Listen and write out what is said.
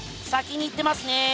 先に行ってますね。